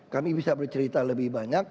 kami bisa bercerita lebih banyak